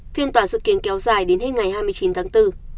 phiên tòa dự kiến kéo dài đến hết ngày hai mươi chín tháng bốn